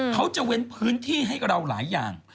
เขาจะเว้นพื้นที่ให้เราหลายอย่าง